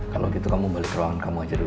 kalau gitu kamu balik ke ruangan kamu aja dulu